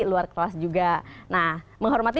luar kelas juga nah menghormati